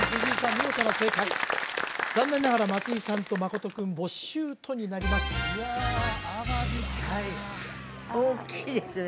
見事な正解残念ながら松井さんと真君ボッシュートになりますいやアワビかあ大きいですね